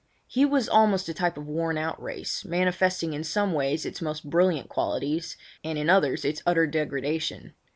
He was almost a type of worn out race, manifesting in some ways its most brilliant qualities, and in others its utter degradation.